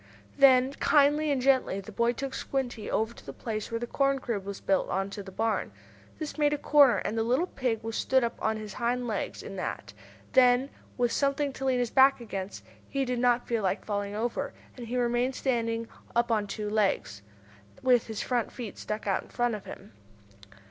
Then, kindly and gently, the boy took Squinty over to the place where the corn crib was built on to the barn. This made a corner and the little pig was stood up on his hind legs in that. Then, with something to lean his back against, he did not feel like falling over, and he remained standing up on two legs, with his front feet stuck out in front of him.